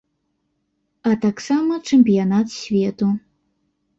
А таксама чэмпіянат свету.